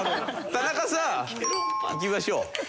田中さんいきましょう。